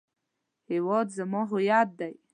هیواد زما هویت دی